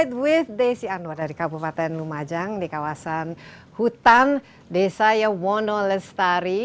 ya kembali bersama insight with desy anwar dari kabupaten lumajang di kawasan hutan desa ya wonolestari